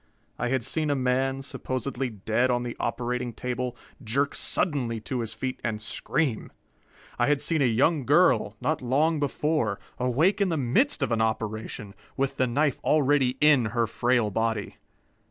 I had seen a man, supposedly dead on the operating table, jerk suddenly to his feet and scream. I had seen a young girl, not long before, awake in the midst of an operation, with the knife already in her frail body.